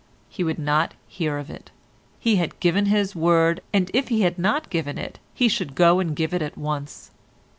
He would not hear of it; he had given his word, and if he had not given it he should go and give it at once.